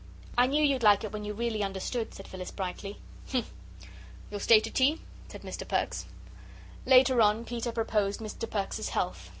"I knew you'd like it when you really understood," said Phyllis, brightly. "Humph! You'll stay to tea?" said Mr. Perks. Later on Peter proposed Mr. Perks's health.